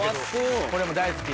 これも大好き？